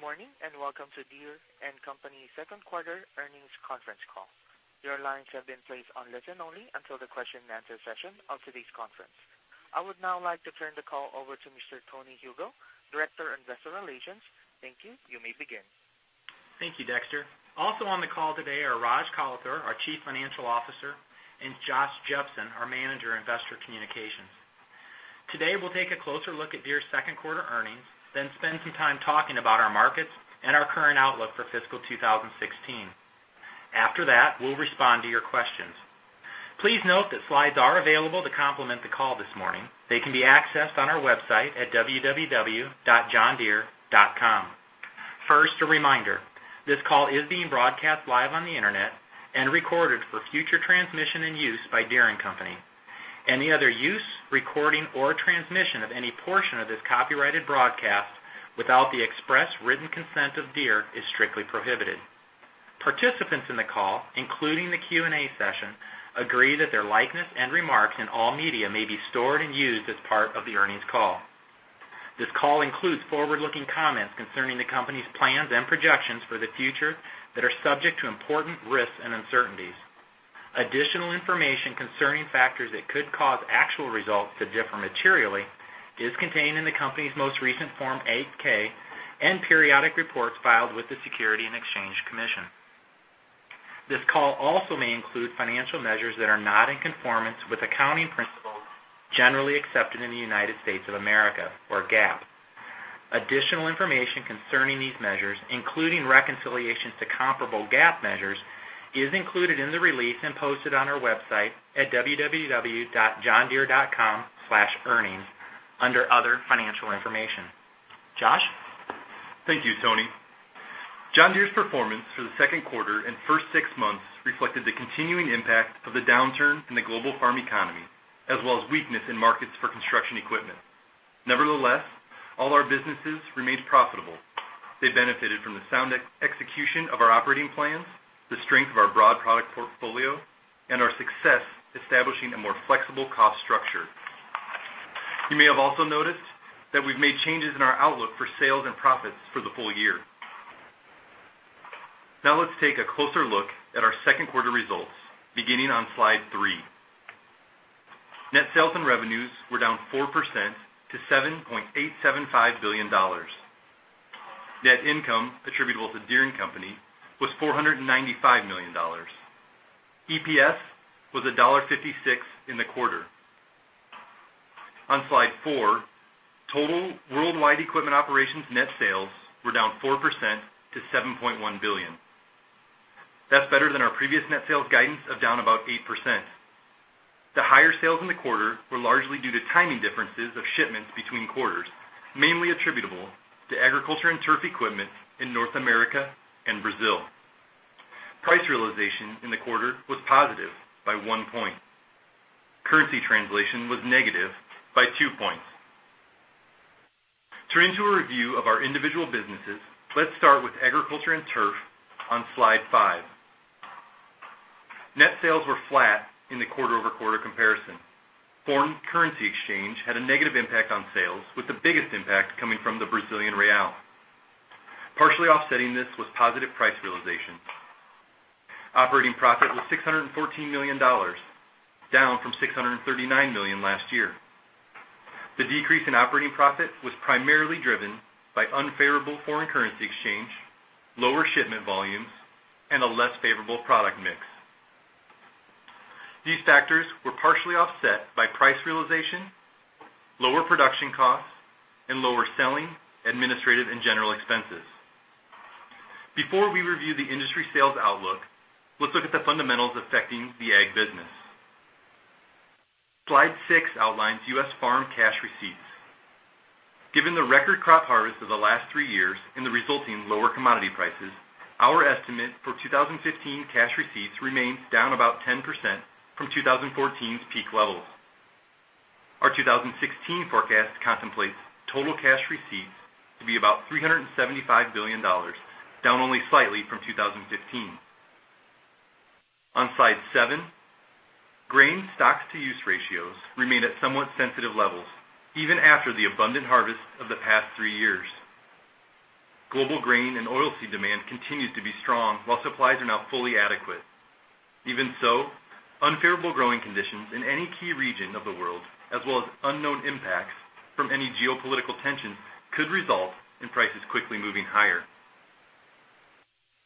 Good morning, welcome to Deere & Company second quarter earnings conference call. Your lines have been placed on listen only until the question and answer session of today's conference. I would now like to turn the call over to Mr. Tony Huegel, Director Investor Relations. Thank you. You may begin. Thank you, Dexter. Also on the call today are Raj Kalathur, our Chief Financial Officer, and Josh Jepsen, our Manager of Investor Communications. Today, we'll take a closer look at Deere's second quarter earnings, then spend some time talking about our markets and our current outlook for fiscal 2016. After that, we'll respond to your questions. Please note that slides are available to complement the call this morning. They can be accessed on our website at www.johndeere.com. First, a reminder, this call is being broadcast live on the internet and recorded for future transmission and use by Deere & Company. Any other use, recording, or transmission of any portion of this copyrighted broadcast without the express written consent of Deere is strictly prohibited. Participants in the call, including the Q&A session, agree that their likeness and remarks in all media may be stored and used as part of the earnings call. This call includes forward-looking comments concerning the company's plans and projections for the future that are subject to important risks and uncertainties. Additional information concerning factors that could cause actual results to differ materially is contained in the company's most recent Form 8-K and periodic reports filed with the Securities and Exchange Commission. This call also may include financial measures that are not in conformance with accounting principles generally accepted in the United States of America, or GAAP. Additional information concerning these measures, including reconciliations to comparable GAAP measures, is included in the release and posted on our website at www.johndeere.com/earnings under other financial information. Josh? Thank you, Tony. John Deere's performance for the second quarter and first six months reflected the continuing impact of the downturn in the global farm economy, as well as weakness in markets for construction equipment. Nevertheless, all our businesses remained profitable. They benefited from the sound execution of our operating plans, the strength of our broad product portfolio, and our success establishing a more flexible cost structure. You may have also noticed that we've made changes in our outlook for sales and profits for the full year. Let's take a closer look at our second quarter results, beginning on slide three. Net sales and revenues were down 4% to $7.875 billion. Net income attributable to Deere & Company was $495 million. EPS was $1.56 in the quarter. On slide four, total worldwide equipment operations net sales were down 4% to $7.1 billion. That's better than our previous net sales guidance of down about 8%. The higher sales in the quarter were largely due to timing differences of shipments between quarters, mainly attributable to agriculture and turf equipment in North America and Brazil. Price realization in the quarter was positive by 1 point. Currency translation was negative by 2 points. Turning to a review of our individual businesses, let's start with agriculture and turf on slide five. Net sales were flat in the quarter-over-quarter comparison. Foreign currency exchange had a negative impact on sales, with the biggest impact coming from the Brazilian real. Partially offsetting this was positive price realization. Operating profit was $614 million, down from $639 million last year. The decrease in operating profit was primarily driven by unfavorable foreign currency exchange, lower shipment volumes, and a less favorable product mix. These factors were partially offset by price realization, lower production costs, and lower selling, administrative, and general expenses. Before we review the industry sales outlook, let's look at the fundamentals affecting the ag business. Slide six outlines U.S. farm cash receipts. Given the record crop harvest of the last three years and the resulting lower commodity prices, our estimate for 2015 cash receipts remains down about 10% from 2014's peak levels. Our 2016 forecast contemplates total cash receipts to be about $375 billion, down only slightly from 2015. On slide seven, grain stocks-to-use ratios remain at somewhat sensitive levels, even after the abundant harvest of the past three years. Global grain and oil seed demand continues to be strong, while supplies are now fully adequate. Even so, unfavorable growing conditions in any key region of the world, as well as unknown impacts from any geopolitical tensions, could result in prices quickly moving higher.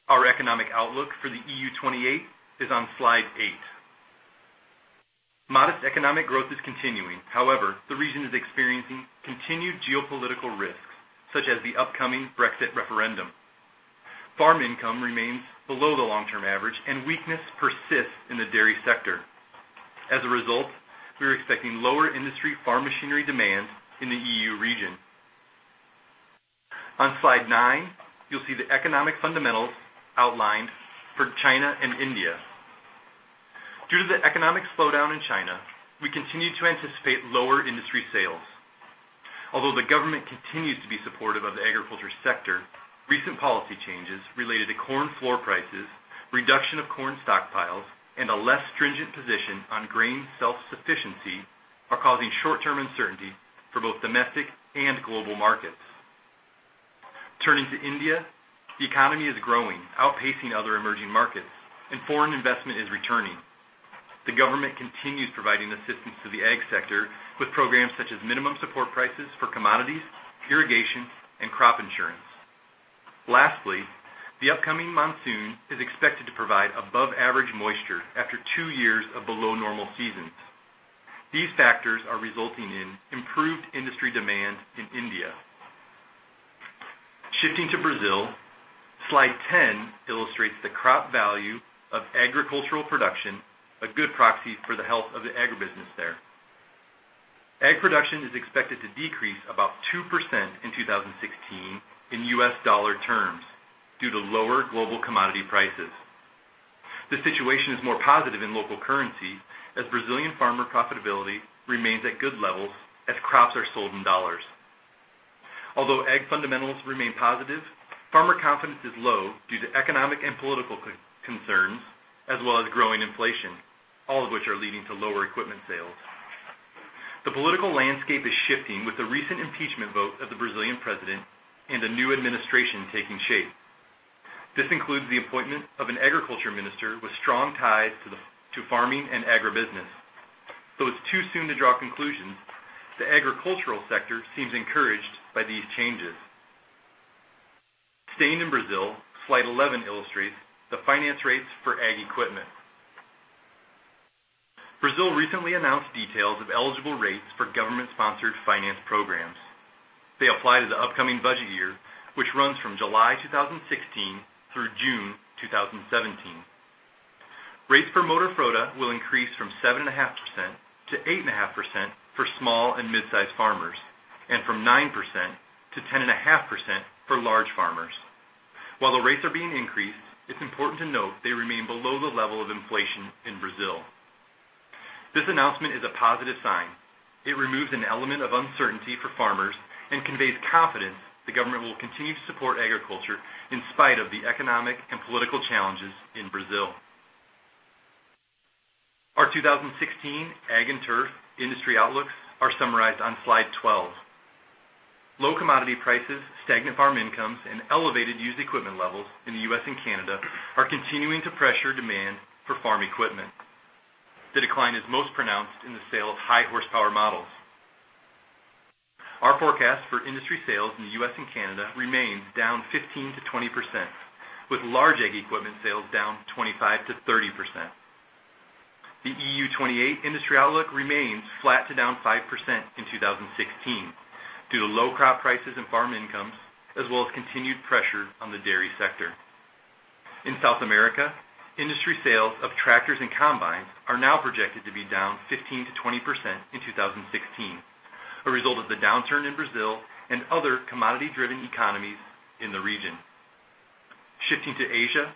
Our economic outlook for the EU 28 is on slide eight. Modest economic growth is continuing. However, the region is experiencing continued geopolitical risks, such as the upcoming Brexit referendum. Farm income remains below the long-term average, and weakness persists in the dairy sector. As a result, we are expecting lower industry farm machinery demand in the EU region. On slide nine, you'll see the economic fundamentals outlined for China and India. Due to the economic slowdown in China, we continue to anticipate lower industry sales. Although the government continues to be supportive of the agriculture sector. Recent policy changes related to corn floor prices, reduction of corn stockpiles, and a less stringent position on grain self-sufficiency are causing short-term uncertainty for both domestic and global markets. Turning to India, the economy is growing, outpacing other emerging markets, and foreign investment is returning. The government continues providing assistance to the ag sector with programs such as minimum support prices for commodities, irrigation, and crop insurance. Lastly, the upcoming monsoon is expected to provide above-average moisture after two years of below-normal seasons. These factors are resulting in improved industry demand in India. Shifting to Brazil, slide 10 illustrates the crop value of agricultural production, a good proxy for the health of the agribusiness there. Ag production is expected to decrease about 2% in 2016 in U.S. dollar terms due to lower global commodity prices. The situation is more positive in local currency, as Brazilian farmer profitability remains at good levels as crops are sold in dollars. Although Ag fundamentals remain positive, farmer confidence is low due to economic and political concerns, as well as growing inflation, all of which are leading to lower equipment sales. The political landscape is shifting with the recent impeachment vote of the Brazilian president and a new administration taking shape. This includes the appointment of an agriculture minister with strong ties to farming and agribusiness. Though it's too soon to draw conclusions, the agricultural sector seems encouraged by these changes. Staying in Brazil, slide 11 illustrates the finance rates for Ag equipment. Brazil recently announced details of eligible rates for government-sponsored finance programs. They apply to the upcoming budget year, which runs from July 2016 through June 2017. Rates for Moderfrota will increase from 7.5%-8.5% for small and midsize farmers and from 9%-10.5% for large farmers. While the rates are being increased, it's important to note they remain below the level of inflation in Brazil. This announcement is a positive sign. It removes an element of uncertainty for farmers and conveys confidence the government will continue to support agriculture in spite of the economic and political challenges in Brazil. Our 2016 Ag and Turf industry outlooks are summarized on slide 12. Low commodity prices, stagnant farm incomes, and elevated used equipment levels in the U.S. and Canada are continuing to pressure demand for farm equipment. The decline is most pronounced in the sale of high-horsepower models. Our forecast for industry sales in the U.S. and Canada remains down 15%-20%, with large Ag equipment sales down 25%-30%. The EU 28 industry outlook remains flat to down 5% in 2016 due to low crop prices and farm incomes, as well as continued pressure on the dairy sector. In South America, industry sales of tractors and combines are now projected to be down 15%-20% in 2016, a result of the downturn in Brazil and other commodity-driven economies in the region. Shifting to Asia,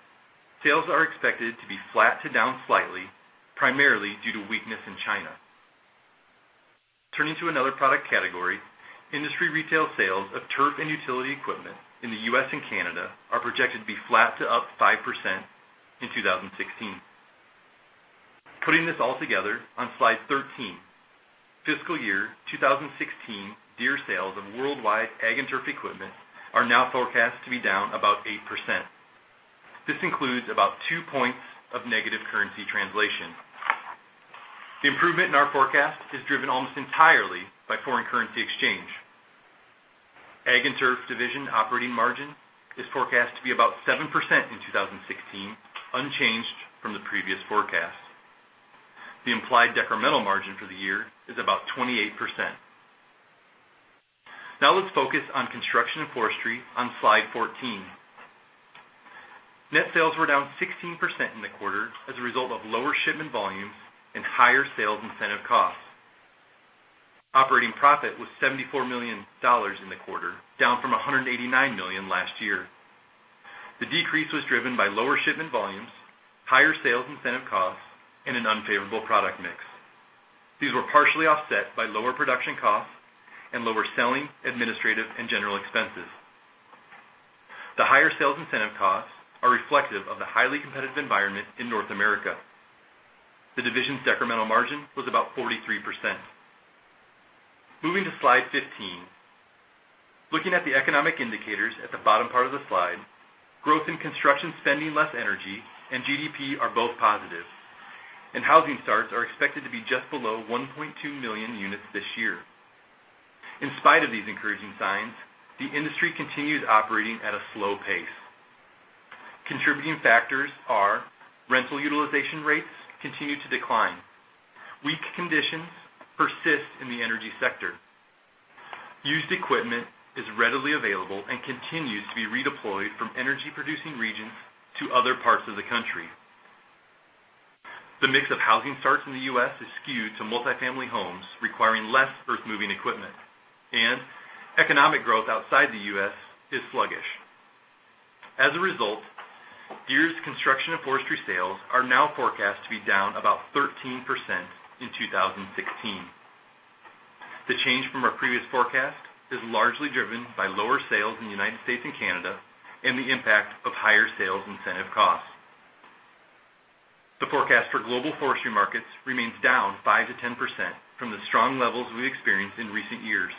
sales are expected to be flat to down slightly, primarily due to weakness in China. Turning to another product category, industry retail sales of Turf and utility equipment in the U.S. and Canada are projected to be flat to up 5% in 2016. Putting this all together on slide 13, fiscal year 2016 Deere sales of worldwide Ag and Turf equipment are now forecast to be down about 8%. This includes about 2 points of negative currency translation. The improvement in our forecast is driven almost entirely by foreign currency exchange. Ag and Turf division operating margin is forecast to be about 7% in 2016, unchanged from the previous forecast. The implied decremental margin for the year is about 28%. Now let's focus on Construction & Forestry on slide 14. Net sales were down 16% in the quarter as a result of lower shipment volumes and higher sales incentive costs. Operating profit was $74 million in the quarter, down from $189 million last year. The decrease was driven by lower shipment volumes, higher sales incentive costs, and an unfavorable product mix. These were partially offset by lower production costs and lower selling, administrative, and general expenses. The higher sales incentive costs are reflective of the highly competitive environment in North America. The division's decremental margin was about 43%. Moving to slide 15. Looking at the economic indicators at the bottom part of the slide, growth in construction spending less energy and GDP are both positive, and housing starts are expected to be just below 1.2 million units this year. In spite of these encouraging signs, the industry continues operating at a slow pace. Contributing factors are rental utilization rates continue to decline. Weak conditions persist in the energy sector. Used equipment is readily available and continues to be redeployed from energy-producing regions to other parts of the country. The mix of housing starts in the U.S. is skewed to multifamily homes, requiring less earthmoving equipment. Economic growth outside the U.S. is sluggish. As a result, Deere's Construction & Forestry sales are now forecast to be down about 13% in 2016. The change from our previous forecast is largely driven by lower sales in the United States and Canada and the impact of higher sales incentive costs. The forecast for global forestry markets remains down 5%-10% from the strong levels we've experienced in recent years,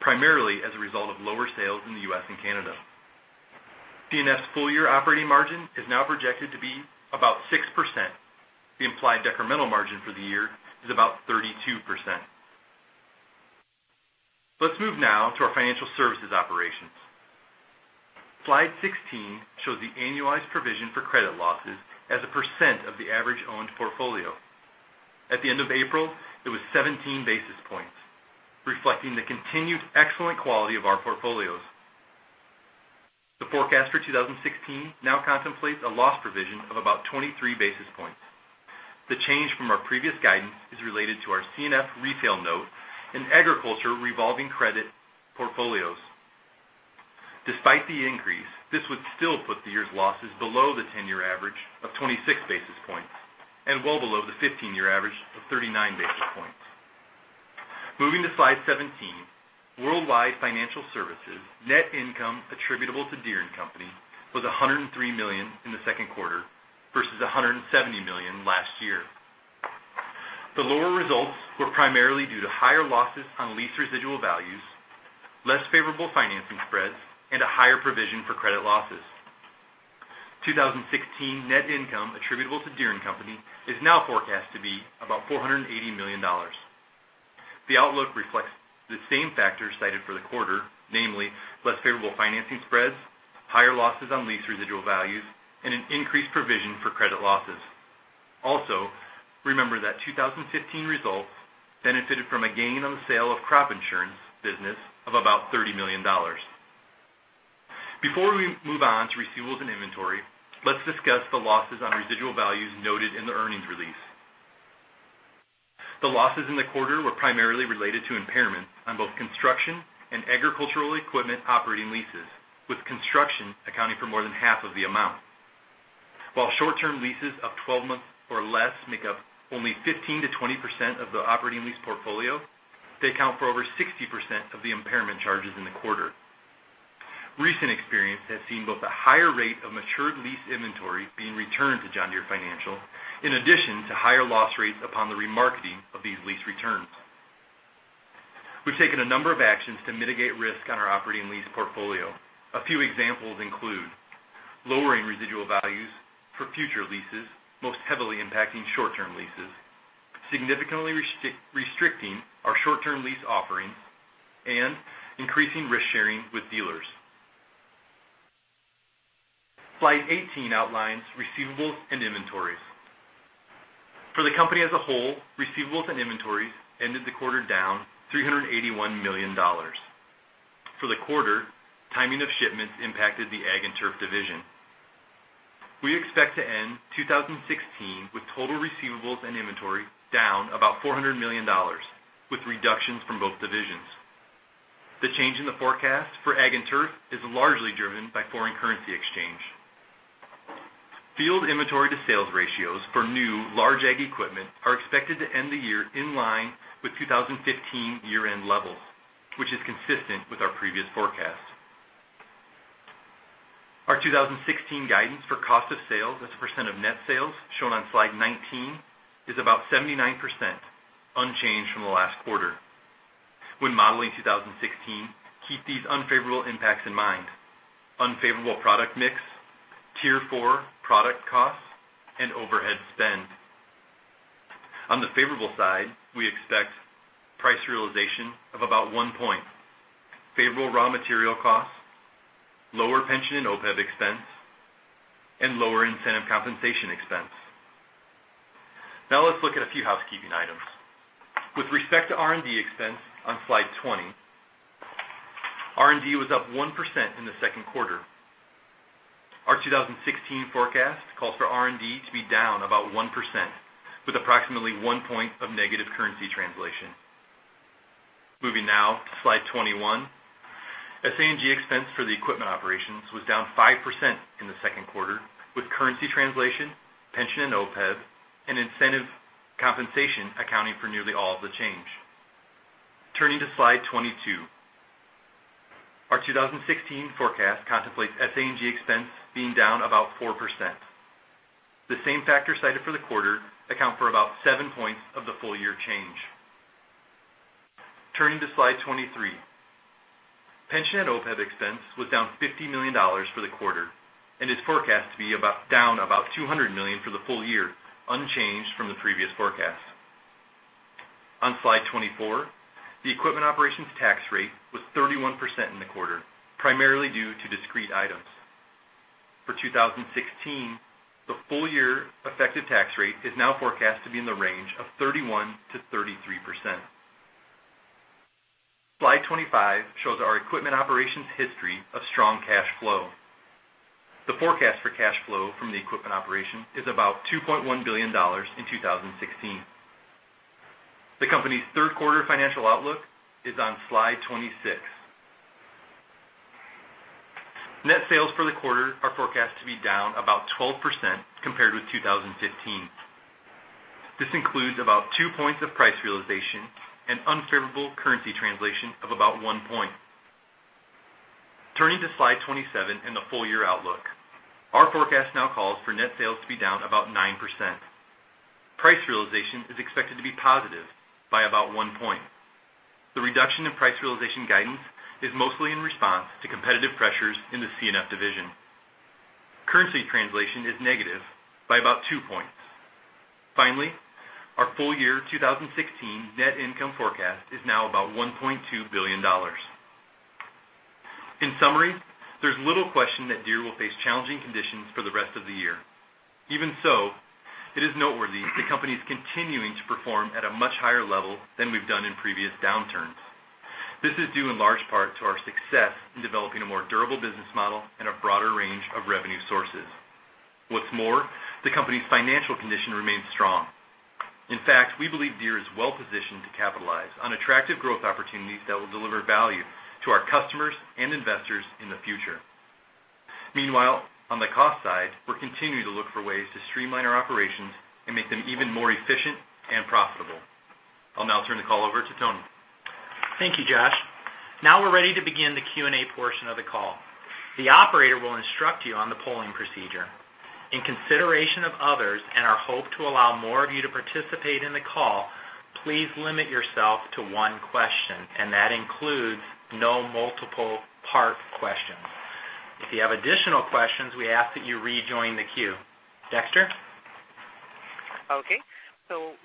primarily as a result of lower sales in the U.S. and Canada. C&F's full-year operating margin is now projected to be about 6%. The implied decremental margin for the year is about 32%. Let's move now to our financial services operations. Slide 16 shows the annualized provision for credit losses as a percent of the average owned portfolio. At the end of April, it was 17 basis points, reflecting the continued excellent quality of our portfolios. The forecast for 2016 now contemplates a loss provision of about 23 basis points. The change from our previous guidance is related to our C&F retail note and agriculture revolving credit portfolios. Despite the increase, this would still put the year's losses below the 10-year average of 26 basis points and well below the 15-year average of 39 basis points. Moving to Slide 17, worldwide financial services net income attributable to Deere & Company was $103 million in the second quarter versus $170 million last year. The lower results were primarily due to higher losses on lease residual values, less favorable financing spreads, and a higher provision for credit losses. 2016 net income attributable to Deere & Company is now forecast to be about $480 million. The outlook reflects the same factors cited for the quarter, namely less favorable financing spreads, higher losses on lease residual values, and an increased provision for credit losses. Also, remember that 2015 results benefited from a gain on the sale of crop insurance business of about $30 million. Before we move on to receivables and inventory, let's discuss the losses on residual values noted in the earnings release. The losses in the quarter were primarily related to impairment on both construction and agricultural equipment operating leases, with construction accounting for more than half of the amount. While short-term leases of 12 months or less make up only 15%-20% of the operating lease portfolio, they account for over 60% of the impairment charges in the quarter. Recent experience has seen both a higher rate of matured lease inventory being returned to John Deere Financial, in addition to higher loss rates upon the remarketing of these lease returns. We've taken a number of actions to mitigate risk on our operating lease portfolio. A few examples include lowering residual values for future leases, most heavily impacting short-term leases, significantly restricting our short-term lease offerings, and increasing risk sharing with dealers. Slide 18 outlines receivables and inventories. For the company as a whole, receivables and inventories ended the quarter down $381 million. For the quarter, timing of shipments impacted the Ag and Turf division. We expect to end 2016 with total receivables and inventory down about $400 million, with reductions from both divisions. The change in the forecast for Ag and Turf is largely driven by foreign currency exchange. Field inventory to sales ratios for new large ag equipment are expected to end the year in line with 2015 year-end levels, which is consistent with our previous forecast. Our 2016 guidance for cost of sales as a percent of net sales, shown on Slide 19, is about 79%, unchanged from the last quarter. When modeling 2016, keep these unfavorable impacts in mind: unfavorable product mix, Tier 4 product costs, and overhead spend. On the favorable side, we expect price realization of about one point, favorable raw material costs, lower pension and OPEB expense, and lower incentive compensation expense. Now let's look at a few housekeeping items. With respect to R&D expense on Slide 20, R&D was up 1% in the second quarter. Our 2016 forecast calls for R&D to be down about 1%, with approximately one point of negative currency translation. Moving now to Slide 21. S, A, and G expense for the equipment operations was down 5% in the second quarter, with currency translation, pension and OPEB, and incentive compensation accounting for nearly all of the change. Turning to Slide 22. Our 2016 forecast contemplates S, A, and G expense being down about 4%. The same factors cited for the quarter account for about seven points of the full-year change. Turning to Slide 23. Pension and OPEB expense was down $50 million for the quarter and is forecast to be down about $200 million for the full year, unchanged from the previous forecast. On Slide 24, the equipment operations tax rate was 31% in the quarter, primarily due to discrete items. For 2016, the full-year effective tax rate is now forecast to be in the range of 31%-33%. Slide 25 shows our equipment operations history of strong cash flow. The forecast for cash flow from the equipment operation is about $2.1 billion in 2016. The company's third quarter financial outlook is on Slide 26. Net sales for the quarter are forecast to be down about 12% compared with 2015. This includes about two points of price realization and unfavorable currency translation of about one point. Turning to Slide 27 and the full-year outlook. Our forecast now calls for net sales to be down about 9%. Price realization is expected to be positive by about one point. The reduction in price realization guidance is mostly in response to competitive pressures in the C&F division. Currency translation is negative by about two points. Finally, our full year 2016 net income forecast is now about $1.2 billion. In summary, there's little question that Deere will face challenging conditions for the rest of the year. Even so, it is noteworthy the company's continuing to perform at a much higher level than we've done in previous downturns. This is due in large part to our success in developing a more durable business model and a broader range of revenue sources. What's more, the company's financial condition remains strong. In fact, we believe Deere is well-positioned to capitalize on attractive growth opportunities that will deliver value to our customers and investors in the future. Meanwhile, on the cost side, we're continuing to look for ways to streamline our operations and make them even more efficient and profitable. I'll now turn the call over to Tony. Thank you, Josh. We're ready to begin the Q&A portion of the call. The operator will instruct you on the polling procedure. In consideration of others and our hope to allow more of you to participate in the call, please limit yourself to one question. That includes no multiple part questions. If you have additional questions, we ask that you rejoin the queue. Dexter? Okay.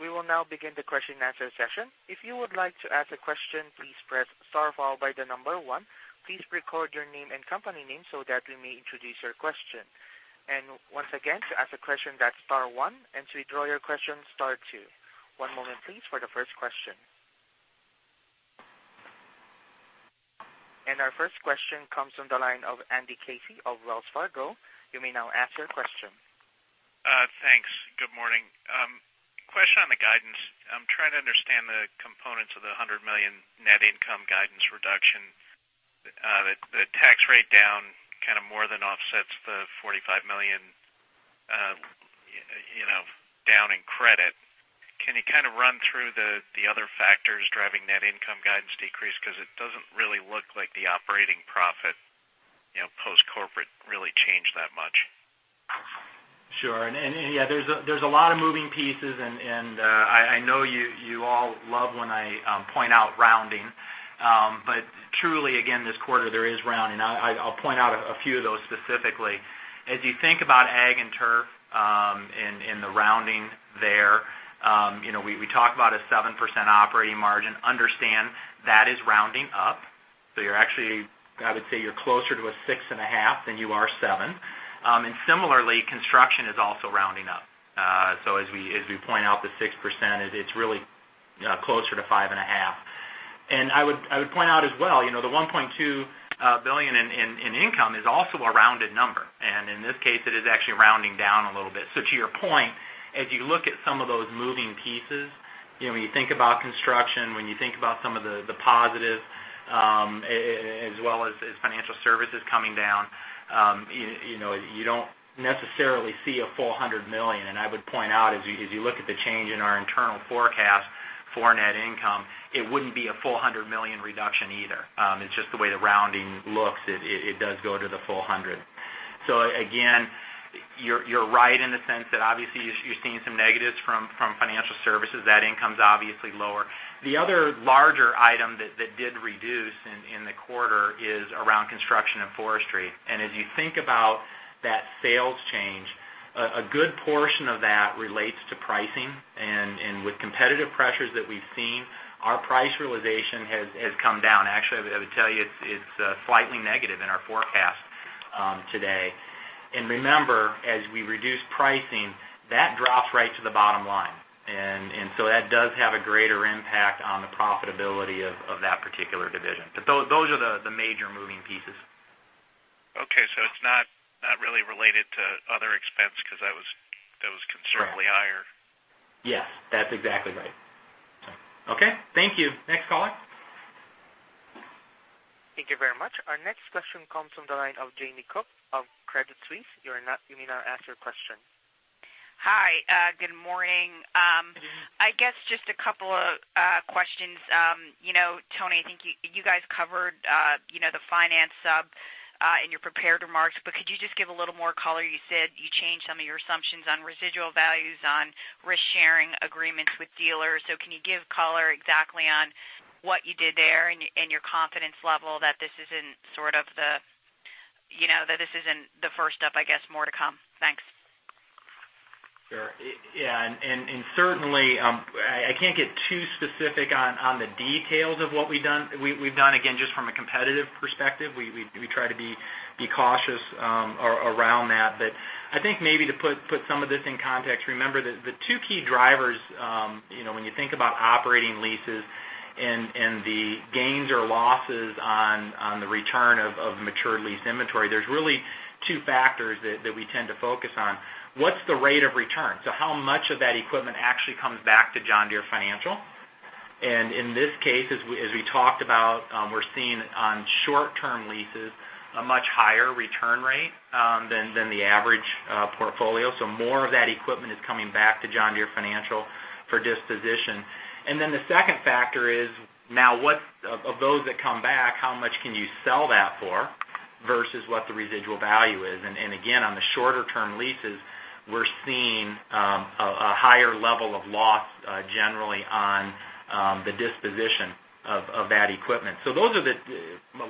We will now begin the question and answer session. If you would like to ask a question, please press star followed by the number one. Please record your name and company name so that we may introduce your question. Once again, to ask a question, that's star one, and to withdraw your question, star two. One moment please for the first question. Our first question comes from the line of Andrew Casey of Wells Fargo. You may now ask your question. Thanks. Good morning. Question on the guidance. I'm trying to understand the components of the $100 million net income guidance reduction. The tax rate down kind of more than offsets the $45 million down in credit. Can you kind of run through the other factors driving net income guidance decrease? Because it doesn't really look like the operating profit, post corporate, really changed that much. Sure. Yeah, there's a lot of moving pieces and I know you all love when I point out rounding. Truly, again, this quarter there is rounding. I will point out a few of those specifically. As you think about Ag and Turf, and the rounding there, we talk about a 7% operating margin. Understand that is rounding up. You're actually, I would say, you're closer to a 6.5 than you are 7. Similarly, Construction is also rounding up. As we point out, the 6%, it's really closer to 5.5. I would point out as well, the $1.2 billion in income is also a rounded number, and in this case, it is actually rounding down a little bit. To your point, as you look at some of those moving pieces, when you think about Construction, when you think about some of the positive, as well as John Deere Financial coming down you don't necessarily see a full $100 million. I would point out, as you look at the change in our internal forecast for net income, it wouldn't be a full $100 million reduction either. It's just the way the rounding looks. It does go to the full 100. Again, you're right in the sense that obviously you're seeing some negatives from John Deere Financial. That income's obviously lower. The other larger item that did reduce in the quarter is around Construction & Forestry. As you think about that sales change, a good portion of that relates to pricing. With competitive pressures that we've seen, our price realization has come down. Actually, I would tell you it's slightly negative in our forecast today. Remember, as we reduce pricing, that drops right to the bottom line. That does have a greater impact on the profitability of that particular division. Those are the major moving pieces. Okay, it's not really related to other expense because that was considerably higher. Yes, that's exactly right. Okay, thank you. Next caller. Thank you very much. Our next question comes from the line of Jamie Cook of Credit Suisse. You may now ask your question. Hi, good morning. I guess just a couple of questions. Tony, I think you guys covered the finance sub in your prepared remarks, could you just give a little more color? You said you changed some of your assumptions on residual values on risk-sharing agreements with dealers. Can you give color exactly on what you did there and your confidence level that this isn't the first step, I guess, more to come? Thanks. Sure. Yeah. Certainly, I can't get too specific on the details of what we've done. Again, just from a competitive perspective, we try to be cautious around that. I think maybe to put some of this in context, remember the two key drivers when you think about operating leases and the gains or losses on the return of matured lease inventory, there's really two factors that we tend to focus on. What's the rate of return? How much of that equipment actually comes back to John Deere Financial? In this case, as we talked about, we're seeing on short-term leases a much higher return rate than the average portfolio. More of that equipment is coming back to John Deere Financial for disposition. The second factor is, now of those that come back, how much can you sell that for versus what the residual value is? On the shorter term leases, we're seeing a higher level of loss generally on the disposition of that equipment. A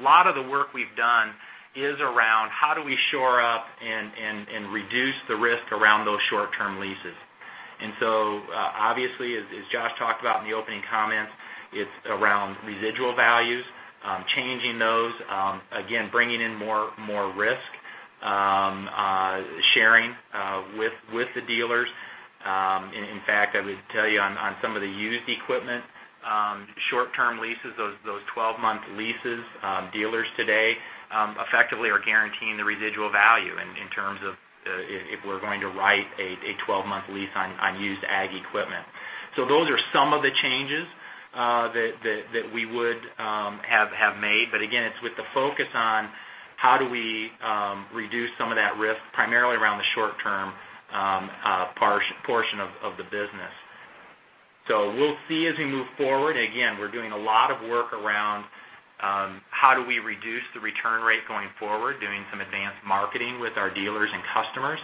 lot of the work we've done is around how do we shore up and reduce the risk around those short-term leases. Obviously, as Josh Jepsen talked about in the opening comments, it's around residual values, changing those. Bringing in more risk sharing with the dealers. In fact, I would tell you on some of the used equipment, short-term leases, those 12-month leases, dealers today effectively are guaranteeing the residual value in terms of if we're going to write a 12-month lease on used ag equipment. Those are some of the changes that we would have made. It's with the focus on how do we reduce some of that risk, primarily around the short-term portion of the business. We'll see as we move forward. We're doing a lot of work around how do we reduce the return rate going forward, doing some advanced marketing with our dealers and customers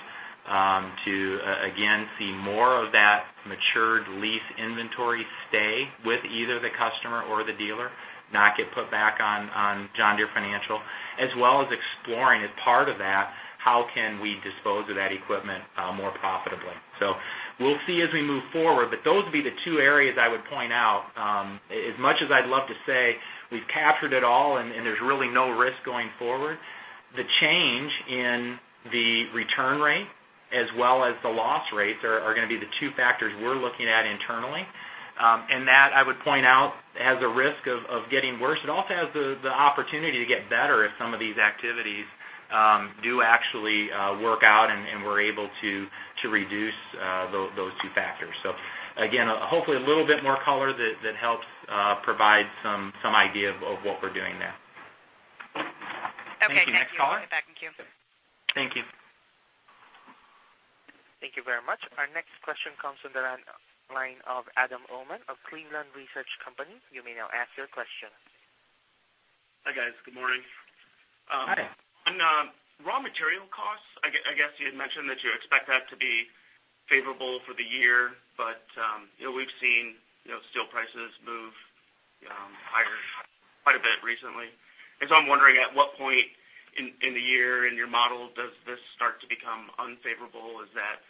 to, again, see more of that matured lease inventory stay with either the customer or the dealer, not get put back on John Deere Financial. As well as exploring as part of that, how can we dispose of that equipment more profitably. We'll see as we move forward. But those would be the two areas I would point out. As much as I'd love to say we've captured it all and there's really no risk going forward, the change in the return rate as well as the loss rates are going to be the two factors we're looking at internally. That, I would point out, has a risk of getting worse. It also has the opportunity to get better if some of these activities do actually work out and we're able to reduce those two factors. Hopefully, a little bit more color that helps provide some idea of what we're doing there. Okay. Thank you. Thank you. Next caller? We'll get back in queue. Thank you. Thank you very much. Our next question comes from the line of Adam Uhlman of Cleveland Research Company. You may now ask your question. Hi, guys. Good morning. Hi. On raw material costs, I guess you had mentioned that you expect that to be favorable for the year, but we've seen steel prices move higher quite a bit recently. I'm wondering at what point in the year in your model does this start to become unfavorable? Is that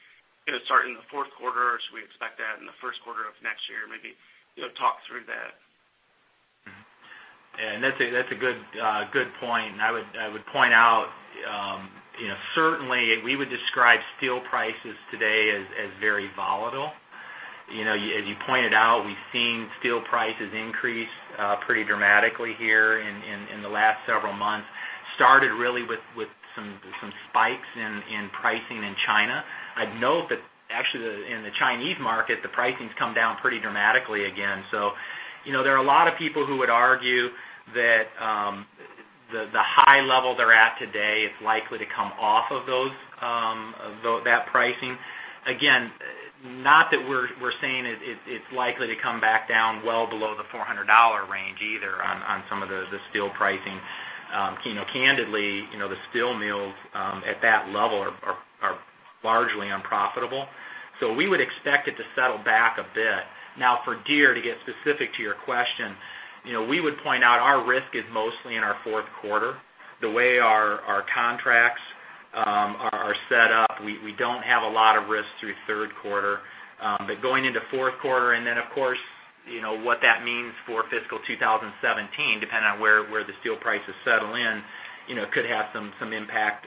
going to start in the fourth quarter, or should we expect that in the first quarter of next year? Maybe talk through that. That's a good point. I would point out certainly we would describe steel prices today as very volatile. As you pointed out, we've seen steel prices increase pretty dramatically here in the last several months. Started really with some spikes in pricing in China. I'd note that actually in the Chinese market, the pricing's come down pretty dramatically again. There are a lot of people who would argue that the high level they're at today is likely to come off of that pricing. Again, not that we're saying it's likely to come back down well below the $400 range either on some of the steel pricing. Candidly, the steel mills at that level are largely unprofitable. We would expect it to settle back a bit. Now, for Deere, to get specific to your question, we would point out our risk is mostly in our fourth quarter. The way our contracts are set up, we don't have a lot of risk through third quarter. Going into fourth quarter, and then, of course, what that means for fiscal 2017, depending on where the steel prices settle in, could have some impact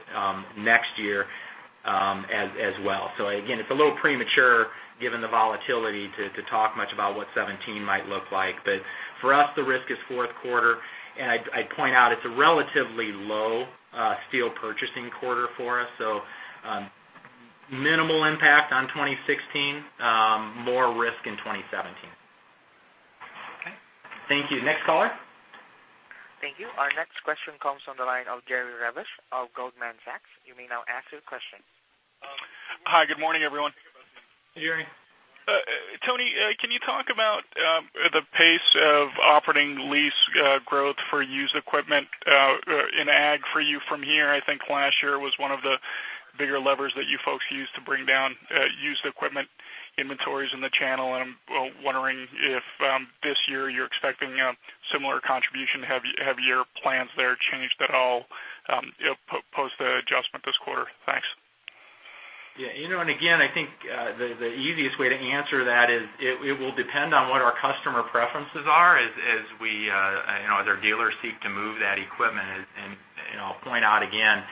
next year as well. Again, it's a little premature, given the volatility, to talk much about what 2017 might look like. For us, the risk is fourth quarter. I'd point out it's a relatively low steel purchasing quarter for us. Minimal impact on 2016. More risk in 2017. Okay. Thank you. Next caller? Thank you. Our next question comes from the line of Jerry Revich of Goldman Sachs. You may now ask your question. Hi. Good morning, everyone. Hey, Jerry. Tony, can you talk about the pace of operating lease growth for used equipment in ag for you from here? I think last year was one of the bigger levers that you folks used to bring down used equipment inventories in the channel, and I'm wondering if this year you're expecting a similar contribution. Have your plans there changed at all post the adjustment this quarter? Thanks. Yeah. Again, I think the easiest way to answer that is it will depend on what our customer preferences are as their dealers seek to move that equipment. I'll point out again,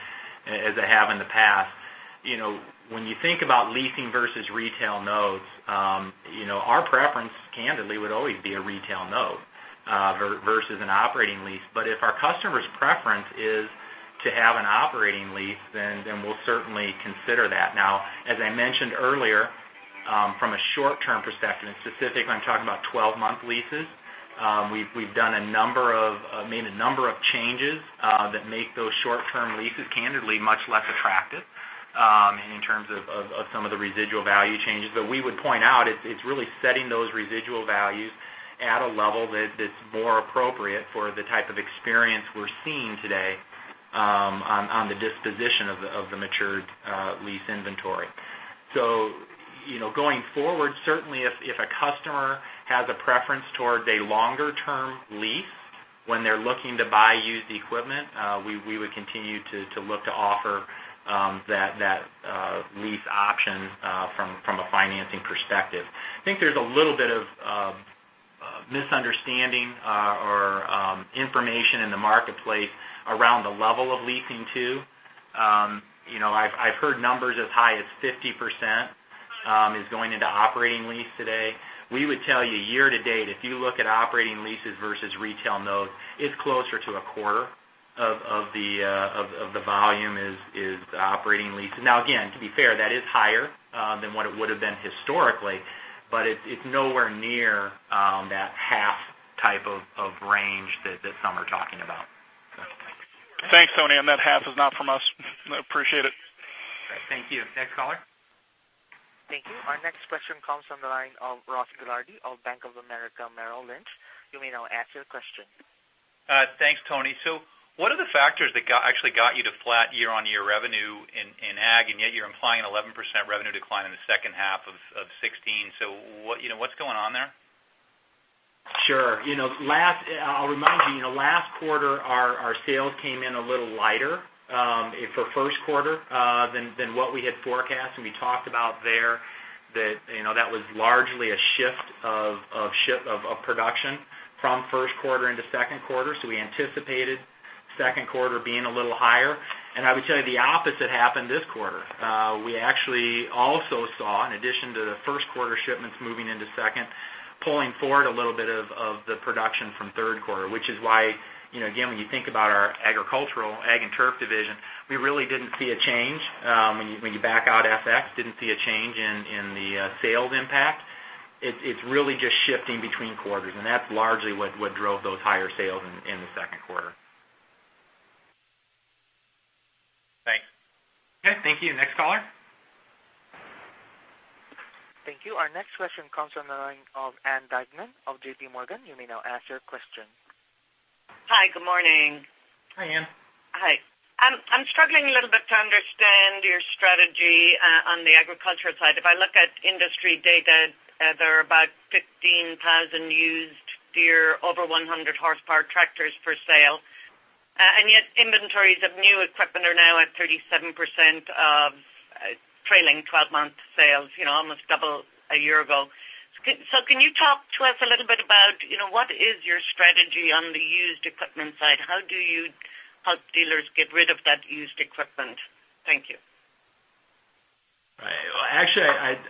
as I have in the past, when you think about leasing versus retail notes, our preference, candidly, would always be a retail note versus an operating lease. If our customer's preference is to have an operating lease, then we'll certainly consider that. As I mentioned earlier, from a short-term perspective, specifically I'm talking about 12-month leases, we've made a number of changes that make those short-term leases candidly much less attractive in terms of some of the residual value changes. We would point out, it's really setting those residual values at a level that's more appropriate for the type of experience we're seeing today on the disposition of the matured lease inventory. Going forward, certainly if a customer has a preference toward a longer-term lease when they're looking to buy used equipment, we would continue to look to offer that lease option from a financing perspective. I think there's a little bit of misunderstanding or information in the marketplace around the level of leasing, too. I've heard numbers as high as 50% is going into operating lease today. We would tell you year to date, if you look at operating leases versus retail modes, it's closer to a quarter of the volume is operating leases. Again, to be fair, that is higher than what it would've been historically, but it's nowhere near that half type of range that some are talking about. Thanks, Tony. That half is not from us. Appreciate it. Right. Thank you. Next caller? Thank you. Our next question comes from the line of Ross Gilardi of Bank of America Merrill Lynch. You may now ask your question. Thanks, Tony. What are the factors that actually got you to flat year-on-year revenue in Ag, and yet you're implying an 11% revenue decline in the second half of 2016? What's going on there? Sure. I'll remind you, last quarter, our sales came in a little lighter for first quarter than what we had forecast. We talked about there that was largely a shift of production from first quarter into second quarter. We anticipated second quarter being a little higher. I would tell you, the opposite happened this quarter. We actually also saw, in addition to the first quarter shipments moving into second, pulling forward a little bit of the production from third quarter. Which is why, again, when you think about our Agricultural, Ag & Turf division, we really didn't see a change when you back out FX, didn't see a change in the sales impact. It's really just shifting between quarters. That's largely what drove those higher sales in the second quarter. Thanks. Okay. Thank you. Next caller? Thank you. Our next question comes from the line of Ann Duignan of J.P. Morgan. You may now ask your question. Hi. Good morning. Hi, Ann. Hi. I'm struggling a little bit to understand your strategy on the agriculture side. If I look at industry data, there are about 15,000 used Deere over 100 horsepower tractors for sale. Yet inventories of new equipment are now at 37% of trailing 12-month sales, almost double a year ago. Can you talk to us a little bit about what is your strategy on the used equipment side? How do you help dealers get rid of that used equipment? Thank you. Right. Well, actually,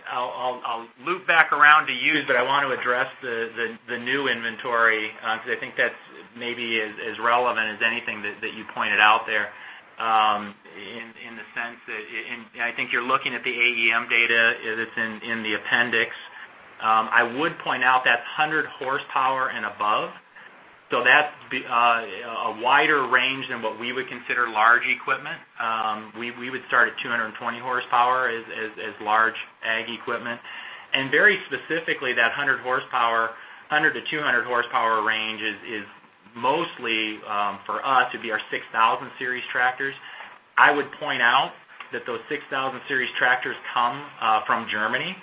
I'll loop back around to used, but I want to address the new inventory, because I think that's maybe as relevant as anything that you pointed out there, in the sense that, I think you're looking at the AEM data that's in the appendix. I would point out that's 100 horsepower and above, so that's a wider range than what we would consider large equipment. We would start at 220 horsepower as large Ag equipment. Very specifically, that 100 horsepower, 100 to 200 horsepower range is mostly for us would be our 6000 Series tractors. I would point out that those 6000 Series tractors come from Germany,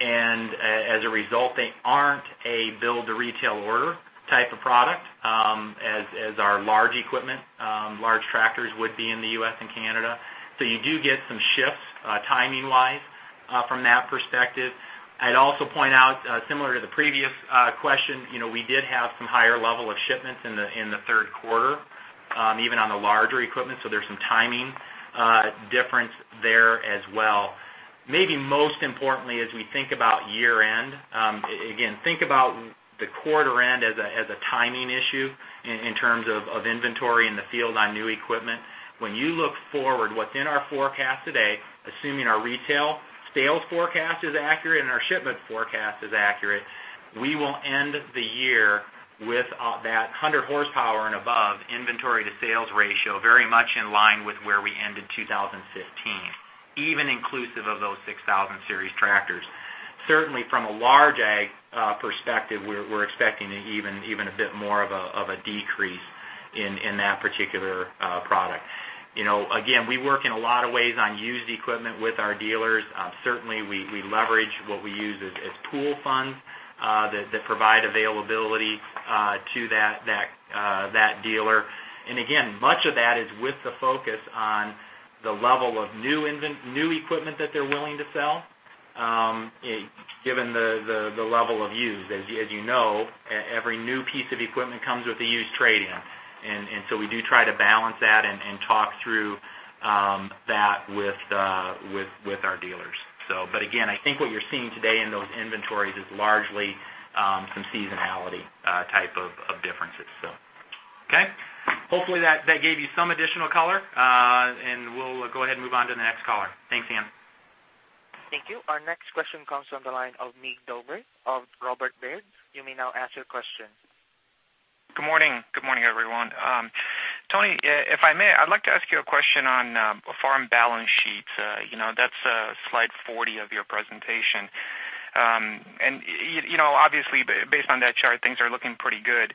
and as a result, they aren't a build-to-retail order type of product as our large equipment, large tractors would be in the U.S. and Canada. You do get some shifts timing-wise from that perspective. I'd also point out, similar to the previous question, we did have some higher level of shipments in the third quarter, even on the larger equipment, so there's some timing difference there as well. Maybe most importantly, as we think about year end, again, think about the quarter end as a timing issue in terms of inventory in the field on new equipment. When you look forward, what's in our forecast today, assuming our retail sales forecast is accurate and our shipment forecast is accurate, we will end the year with that 100 horsepower and above inventory to sales ratio very much in line with where we ended 2015, even inclusive of those 6000 Series tractors. Certainly from a large Ag perspective, we're expecting even a bit more of a decrease in that particular product. Again, we work in a lot of ways on used equipment with our dealers. Certainly we leverage what we use as pool funds that provide availability to that dealer. Again, much of that is with the focus on the level of new equipment that they're willing to sell given the level of used. As you know, every new piece of equipment comes with a used trade-in. We do try to balance that and talk through that with our dealers. Again, I think what you're seeing today in those inventories is largely some seasonality type of differences. Okay. Hopefully, that gave you some additional color. We'll go ahead and move on to the next caller. Thanks, Ann. Thank you. Our next question comes from the line of Mick Dobre of Robert W. Baird. You may now ask your question. Good morning. Good morning, everyone. Tony, if I may, I'd like to ask you a question on farm balance sheets. That's slide 40 of your presentation. Obviously, based on that chart, things are looking pretty good.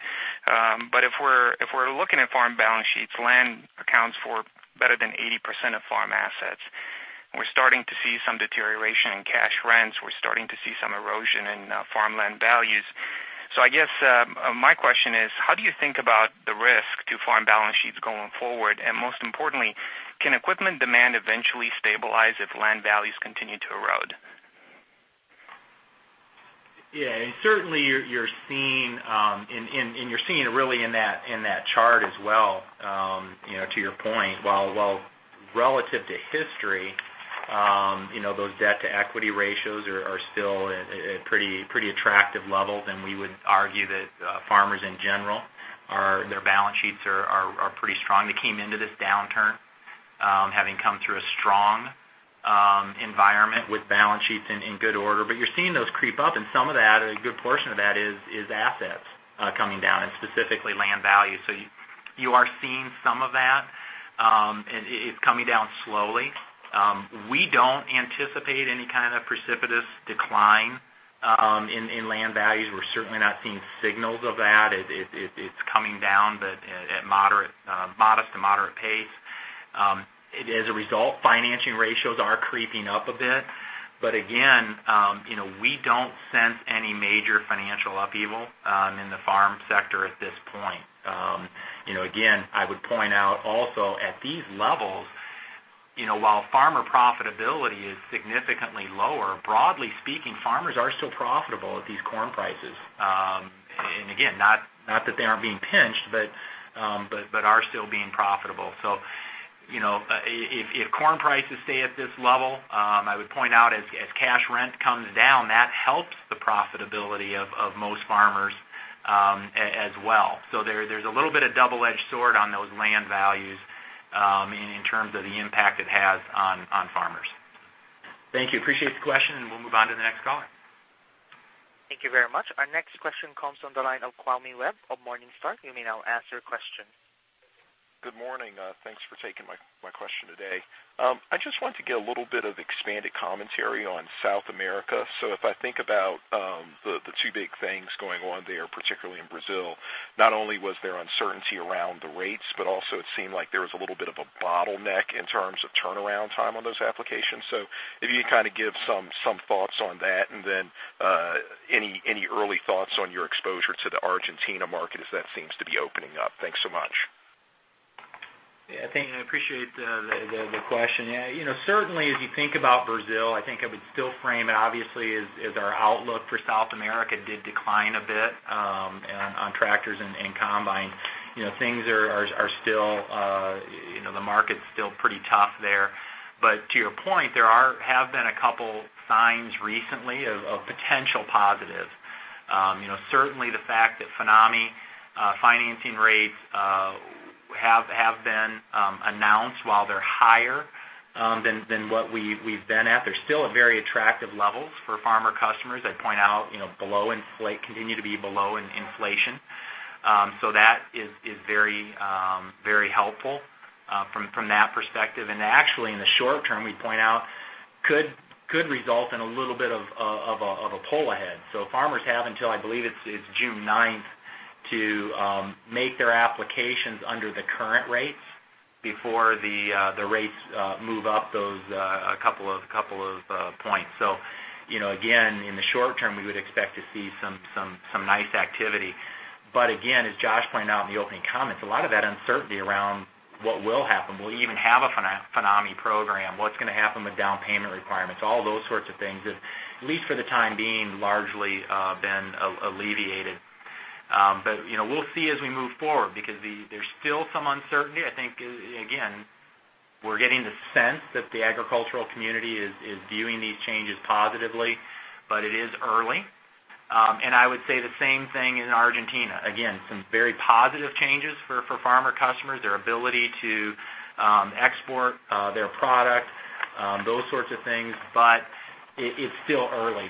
If we're looking at farm balance sheets, land accounts for better than 80% of farm assets. We're starting to see some deterioration in cash rents. We're starting to see some erosion in farmland values. I guess my question is, how do you think about the risk to farm balance sheets going forward? Most importantly, can equipment demand eventually stabilize if land values continue to erode? Yeah. Certainly, you're seeing it really in that chart as well, to your point. While relative to history, those debt-to-equity ratios are still at pretty attractive levels, we would argue that farmers in general, their balance sheets are pretty strong. They came into this downturn having come through a strong environment with balance sheets in good order. You're seeing those creep up, some of that, a good portion of that is assets coming down and specifically land value. You are seeing some of that. It's coming down slowly. We don't anticipate any kind of precipitous decline in land values. We're certainly not seeing signals of that. It's coming down, but at modest to moderate pace. As a result, financing ratios are creeping up a bit. Again, we don't sense any major financial upheaval in the farm sector at this point. Again, I would point out also, at these levels, while farmer profitability is significantly lower, broadly speaking, farmers are still profitable at these corn prices. Again, not that they aren't being pinched, but are still being profitable. If corn prices stay at this level, I would point out as cash rent comes down, that helps the profitability of most farmers as well. There's a little bit of double-edged sword on those land values in terms of the impact it has on farmers. Thank you. Appreciate the question, we'll move on to the next caller. Thank you very much. Our next question comes from the line of Kwame Webb of Morningstar. You may now ask your question. Good morning. Thanks for taking my question today. I just wanted to get a little bit of expanded commentary on South America. If I think about the two big things going on there, particularly in Brazil, not only was there uncertainty around the rates, but also it seemed like there was a little bit of a bottleneck in terms of turnaround time on those applications. If you could kind of give some thoughts on that, and then any early thoughts on your exposure to the Argentina market as that seems to be opening up. Thanks so much. Kwame, I appreciate the question. Certainly, as you think about Brazil, I think I would still frame it, obviously, as our outlook for South America did decline a bit on tractors and combine. The market's still pretty tough there. To your point, there have been a couple signs recently of potential positives. Certainly, the fact that FINAME financing rates have been announced, while they're higher than what we've been at, they're still at very attractive levels for farmer customers. I would point out, continue to be below in inflation. That is very helpful from that perspective. Actually, in the short term, we point out, could result in a little bit of a pull ahead. Farmers have until, I believe it's June 9th, to make their applications under the current rates before the rates move up those couple of points. Again, in the short term, we would expect to see some nice activity. Again, as Josh pointed out in the opening comments, a lot of that uncertainty around what will happen. Will we even have a FINAME program? What's going to happen with down payment requirements? All those sorts of things have, at least for the time being, largely been alleviated. We'll see as we move forward because there's still some uncertainty. I think, again, we're getting the sense that the agricultural community is viewing these changes positively, but it is early. I would say the same thing in Argentina. Again, some very positive changes for farmer customers, their ability to export their product, those sorts of things, but it's still early.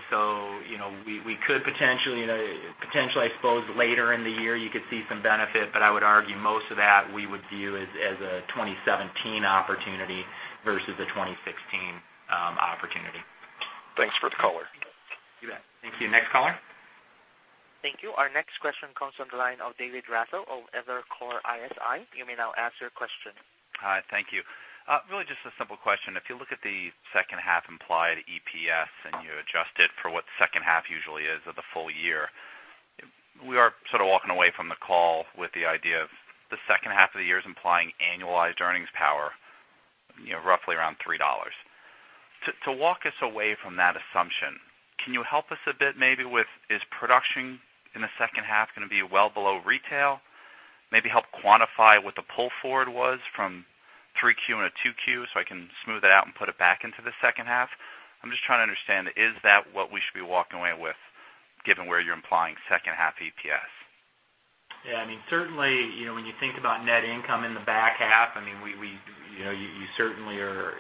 We could potentially, I suppose, later in the year you could see some benefit, but I would argue most of that we would view as a 2017 opportunity versus a 2016 opportunity. Thanks for the color. You bet. Thank you. Next caller? Thank you. Our next question comes from the line of David Raso of Evercore ISI. You may now ask your question. Hi. Thank you. Really just a simple question. If you look at the second half implied EPS and you adjust it for what second half usually is of the full year, we are sort of walking away from the call with the idea of the second half of the year is implying annualized earnings power You know, roughly around $3. To walk us away from that assumption, can you help us a bit maybe with, is production in the second half going to be well below retail? Maybe help quantify what the pull forward was from 3Q and a 2Q, so I can smooth it out and put it back into the second half. I'm just trying to understand, is that what we should be walking away with given where you're implying second half EPS? Yeah. Certainly, when you think about net income in the back half, you certainly are,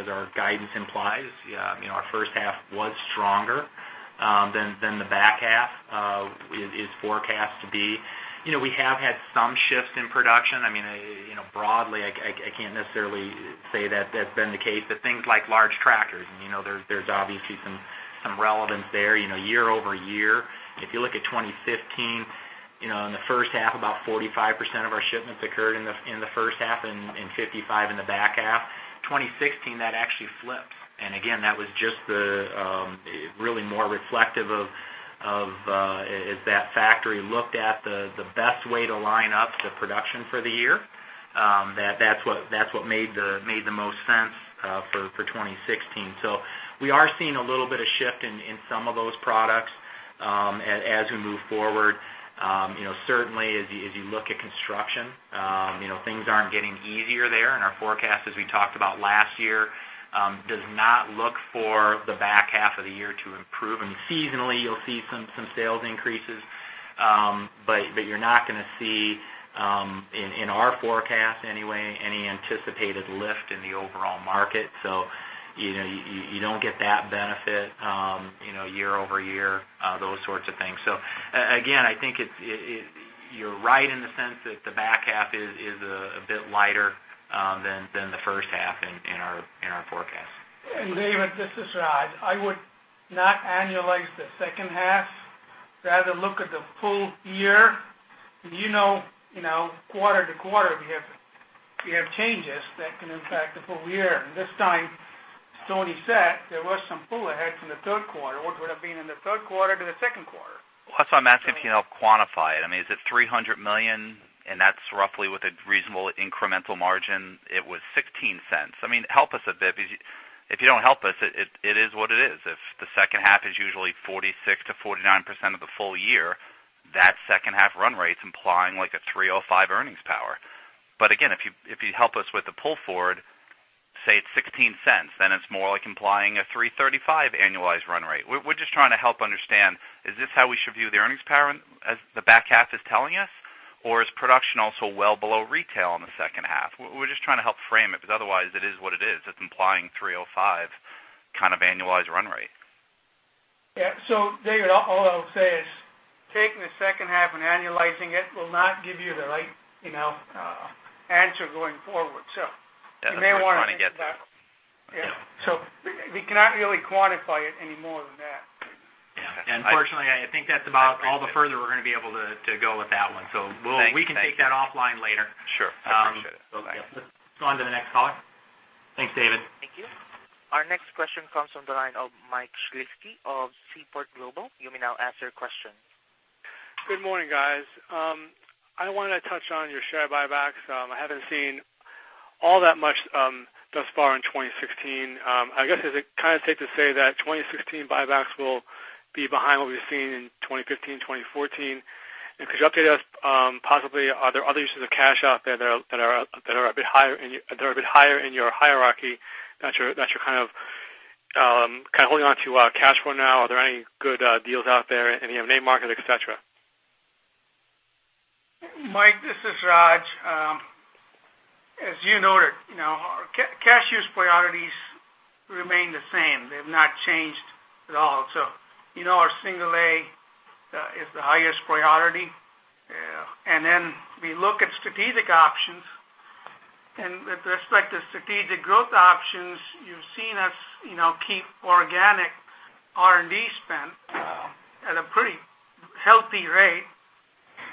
as our guidance implies, our first half was stronger than the back half is forecast to be. We have had some shifts in production. Broadly, I can't necessarily say that that's been the case, but things like large tractors, there's obviously some relevance there year-over-year. If you look at 2015, in the first half, about 45% of our shipments occurred in the first half and 55% in the back half. 2016, that actually flipped. Again, that was just really more reflective of, as that factory looked at the best way to line up the production for the year. That's what made the most sense for 2016. We are seeing a little bit of shift in some of those products, as we move forward. Certainly, as you look at construction, things aren't getting easier there and our forecast, as we talked about last year, does not look for the back half of the year to improve. Seasonally, you'll see some sales increases. You're not going to see, in our forecast anyway, any anticipated lift in the overall market. You don't get that benefit year-over-year, those sorts of things. Again, I think you're right in the sense that the back half is a bit lighter than the first half in our forecast. David, this is Raj. I would not annualize the second half. Rather look at the full year. You know quarter to quarter, we have changes that can impact the full year. This time, Tony said there was some pull aheads in the third quarter, which would have been in the third quarter to the second quarter. Well, that's why I'm asking if you can help quantify it. Is it $300 million and that's roughly with a reasonable incremental margin, it was $0.16. Help us a bit, because if you don't help us, it is what it is. If the second half is usually 46%-49% of the full year, that second half run rate's implying like a $305 earnings power. Again, if you help us with the pull forward, say it's $0.16, then it's more like implying a $335 annualized run rate. We're just trying to help understand, is this how we should view the earnings power as the back half is telling us, or is production also well below retail in the second half? We're just trying to help frame it, because otherwise it is what it is. It's implying $305 kind of annualized run rate. Yeah. David, all I'll say is taking the second half and annualizing it will not give you the right answer going forward. That's what we're trying to get to. Yeah. We cannot really quantify it any more than that. Yeah. Fortunately, I think that's about all the further we're going to be able to go with that one. We can take that offline later. Sure. Appreciate it. Okay. Let's go on to the next caller. Thanks, David. Thank you. Our next question comes from the line of Michael Shlisky of Seaport Global. You may now ask your question. Good morning, guys. I wanted to touch on your share buybacks. I haven't seen all that much thus far in 2016. I guess, is it kind of safe to say that 2016 buybacks will be behind what we've seen in 2015, 2014? Could you update us, possibly, are there other uses of cash out there that are a bit higher in your hierarchy that you're kind of holding onto cash for now? Are there any good deals out there in the end market, et cetera? Mike, this is Raj. As you noted, our cash use priorities remain the same. They've not changed at all. You know our single A is the highest priority. Then we look at strategic options. With respect to strategic growth options, you've seen us keep organic R&D spend at a pretty healthy rate.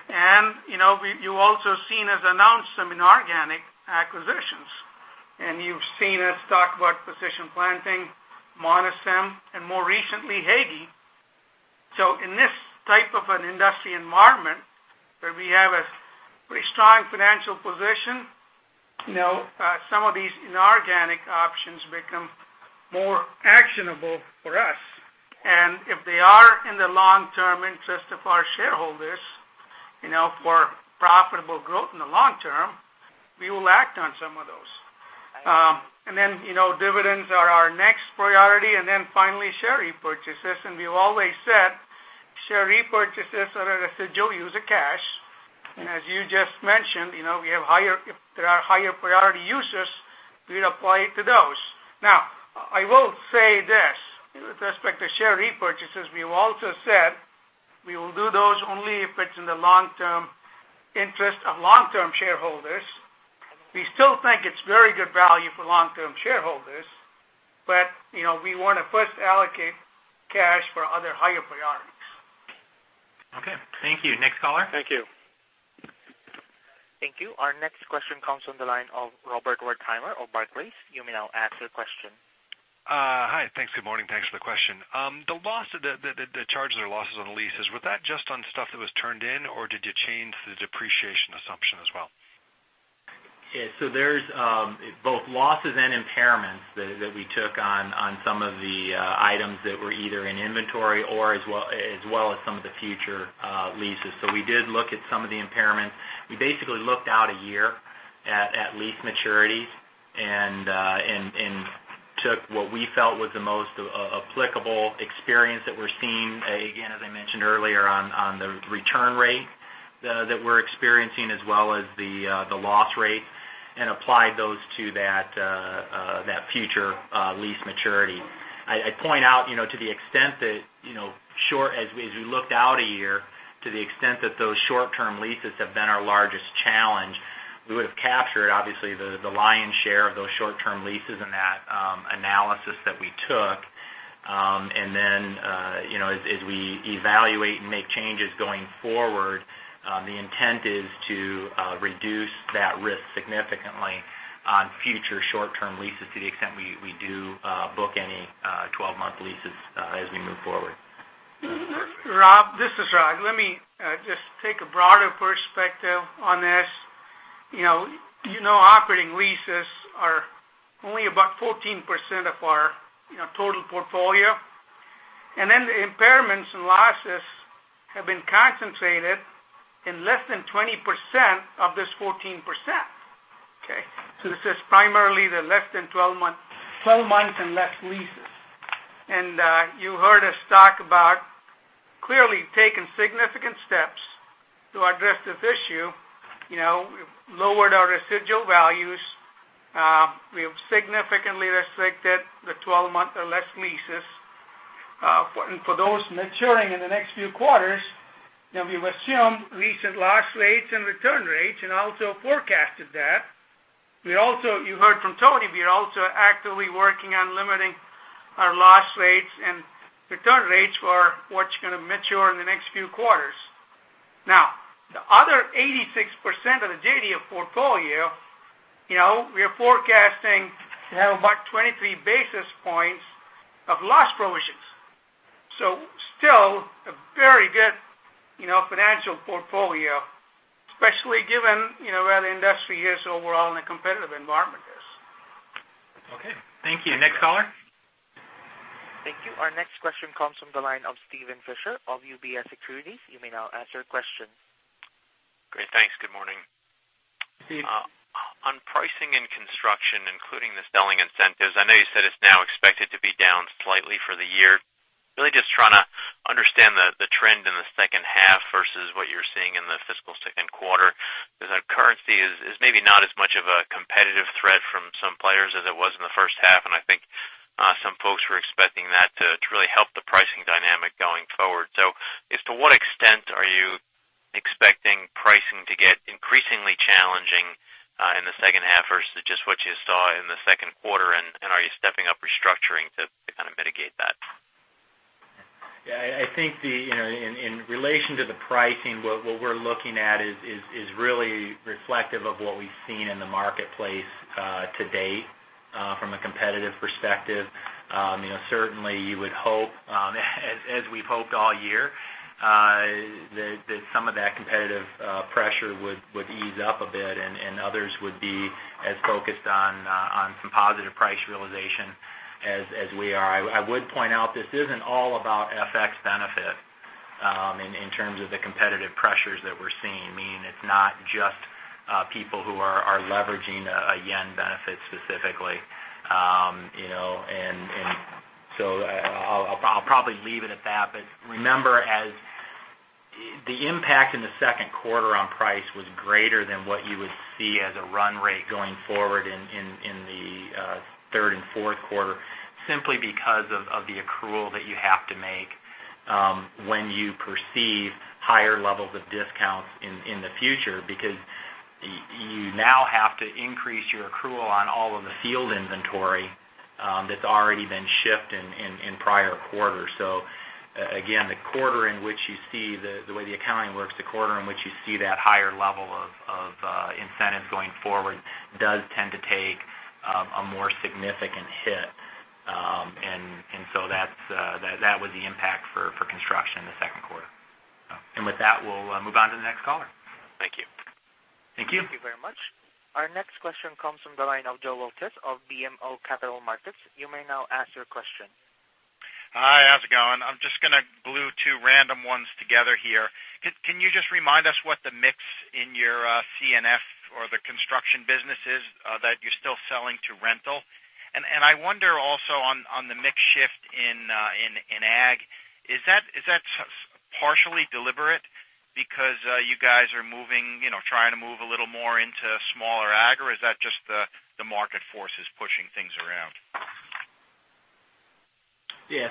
You also seen us announce some inorganic acquisitions. You've seen us talk about Precision Planting, Monosem, and more recently, Hagie. In this type of an industry environment where we have a pretty strong financial position, some of these inorganic options become more actionable for us. If they are in the long-term interest of our shareholders, for profitable growth in the long term, we will act on some of those. Then, dividends are our next priority, and then finally, share repurchases. We've always said share repurchases are a residual use of cash. As you just mentioned, if there are higher priority uses, we'd apply it to those. Now, I will say this. With respect to share repurchases, we've also said we will do those only if it's in the long-term interest of long-term shareholders. We still think it's very good value for long-term shareholders, but we want to first allocate cash for other higher priorities. Okay. Thank you. Next caller? Thank you. Our next question comes from the line of Robert Wertheimer of Barclays. You may now ask your question. Hi. Thanks. Good morning. Thanks for the question. The charges or losses on the leases, was that just on stuff that was turned in, or did you change the depreciation assumption as well? Yeah. There's both losses and impairments that we took on some of the items that were either in inventory or as well as some of the future leases. We did look at some of the impairments. We basically looked out a year at lease maturities and took what we felt was the most applicable experience that we're seeing, again, as I mentioned earlier, on the return rate that we're experiencing as well as the loss rate, and applied those to that future lease maturity. I point out, as we looked out a year, to the extent that those short-term leases have been our largest challenge, we would've captured, obviously, the lion's share of those short-term leases in that analysis that we took. As we evaluate and make changes going forward, the intent is to reduce that risk significantly on future short-term leases to the extent we do book any 12-month leases as we move forward. Perfect. Rob, this is Raj. Let me just take a broader perspective on this. Operating leases are only about 14% of our total portfolio, the impairments and losses have been concentrated in less than 20% of this 14%. Okay? This is primarily the 12 months and less leases. You heard us talk about clearly taking significant steps to address this issue. We've lowered our residual values. We have significantly restricted the 12 month or less leases. For those maturing in the next few quarters, we've assumed recent loss rates and return rates and also forecasted that. You heard from Tony, we are also actively working on limiting our loss rates and return rates for what's going to mature in the next few quarters. The other 86% of the JD portfolio, we are forecasting about 23 basis points of loss provisions. Still, a very good financial portfolio, especially given where the industry is overall and the competitive environment is. Okay. Thank you. Next caller. Thank you. Our next question comes from the line of Steven Fisher of UBS Securities. You may now ask your question. Great. Thanks. Good morning. Steve. On pricing and construction, including the selling incentives, I know you said it's now expected to be down slightly for the year. Really just trying to understand the trend in the second half versus what you're seeing in the fiscal second quarter, because that currency is maybe not as much of a competitive threat from some players as it was in the first half, and I think some folks were expecting that to really help the pricing dynamic going forward. To what extent are you expecting pricing to get increasingly challenging in the second half versus just what you saw in the second quarter, and are you stepping up restructuring to kind of mitigate that? Yeah. I think in relation to the pricing, what we're looking at is really reflective of what we've seen in the marketplace to date from a competitive perspective. Certainly you would hope, as we've hoped all year, that some of that competitive pressure would ease up a bit and others would be as focused on some positive price realization as we are. I would point out, this isn't all about FX benefit in terms of the competitive pressures that we're seeing, meaning it's not just people who are leveraging a yen benefit specifically. I'll probably leave it at that. Remember, the impact in the second quarter on price was greater than what you would see as a run rate going forward in the third and fourth quarter, simply because of the accrual that you have to make when you perceive higher levels of discounts in the future. You now have to increase your accrual on all of the field inventory that's already been shipped in prior quarters. Again, the way the accounting works, the quarter in which you see that higher level of incentives going forward does tend to take a more significant hit. That was the impact for Construction in the second quarter. With that, we'll move on to the next caller. Thank you. Thank you. Thank you very much. Our next question comes from the line of Joel Walters of BMO Capital Markets. You may now ask your question. Hi. How's it going? I'm just going to glue two random ones together here. Can you just remind us what the mix in your C&F or the construction business is that you're still selling to rental? I wonder also on the mix shift in AG, is that partially deliberate because you guys are trying to move a little more into smaller AG, or is that just the market forces pushing things around? Yeah.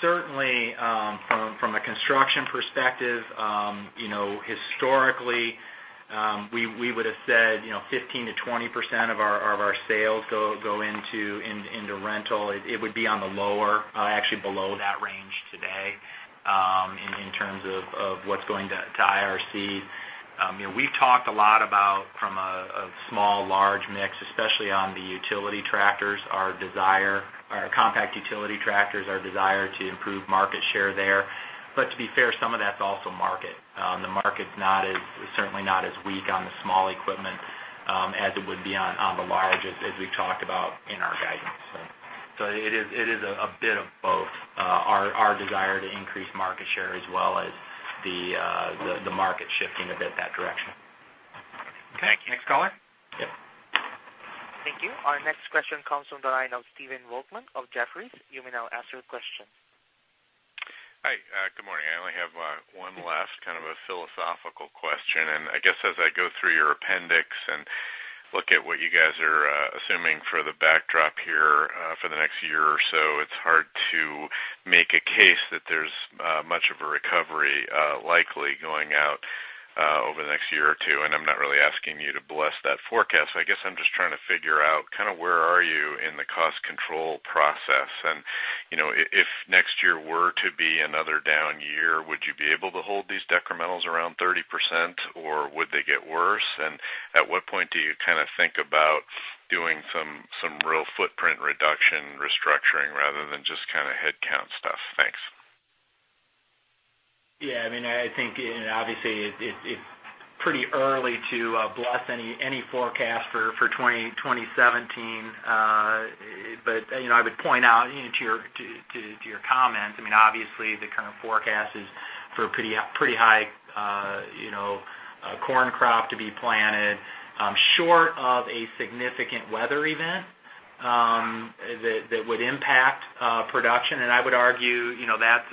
Certainly, from a construction perspective, historically, we would've said 15%-20% of our sales go into rental. It would be on the lower, actually below that range today. Of what's going to IRC. We've talked a lot about from a small/large mix, especially on the utility tractors, our desire, our compact utility tractors, our desire to improve market share there. To be fair, some of that's also market. The market's certainly not as weak on the small equipment, as it would be on the large, as we've talked about in our guidance. It is a bit of both. Our desire to increase market share as well as the market shifting a bit that direction. Okay. Next caller? Yep. Thank you. Our next question comes from the line of Stephen Volkmann of Jefferies. You may now ask your question. Hi, good morning. I only have one last kind of a philosophical question. I guess as I go through your appendix and look at what you guys are assuming for the backdrop here for the next year or so, it's hard to make a case that there's much of a recovery likely going out over the next year or two, and I'm not really asking you to bless that forecast. I guess I'm just trying to figure out kind of where are you in the cost control process and if next year were to be another down year, would you be able to hold these decrementals around 30% or would they get worse? At what point do you kind of think about doing some real footprint reduction restructuring rather than just kind of headcount stuff? Thanks. Yeah. I think, obviously, it's pretty early to bless any forecast for 2017. I would point out to your comments, obviously the kind of forecast is for pretty high corn crop to be planted. Short of a significant weather event that would impact production, and I would argue that's